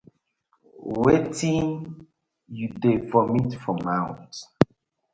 Wetin yu dey vomit for mouth.